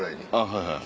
はいはい。